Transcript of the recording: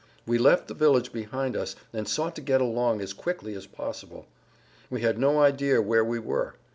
We left the village behind us and sought to get along as quickly as possible. We had no idea where we were.